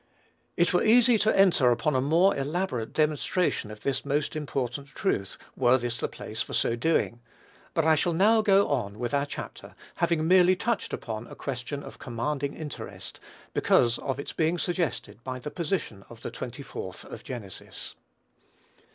It were easy to enter upon a more elaborate demonstration of this most important truth, were this the place for so doing; but I shall now go on with our chapter, having merely touched upon a question of commanding interest, because of its being suggested by the position of the 24th of Genesis.